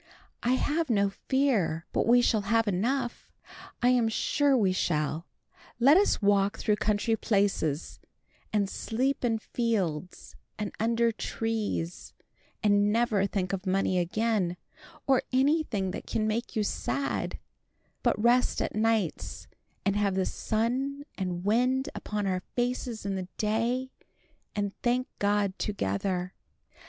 "I have no fear but we shall have enough. I am sure we shall. Let us walk through country places, and sleep in fields and under trees, and never think of money again, or anything that can make you sad, but rest at nights, and have the sun and wind upon our faces in the day, and thank God together.